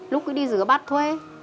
lúc thì đi rửa bát thuê